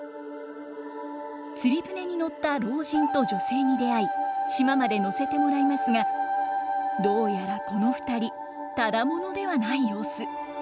釣り舟に乗った老人と女性に出会い島まで乗せてもらいますがどうやらこの２人只者ではない様子。